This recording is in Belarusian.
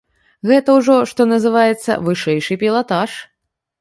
Гэта ўжо, што называецца, вышэйшы пілатаж.